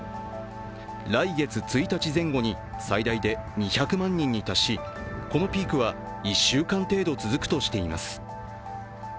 来月１日前後に最大で２００万人に達しこのピークは１週間程度続くとしています。